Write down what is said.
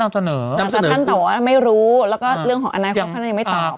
นำเสนอท่านตอบว่าไม่รู้แล้วก็เรื่องของอันนั้นเขาแค่นั้นยังไม่ตอบ